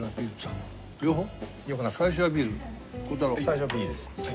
最初はビールです。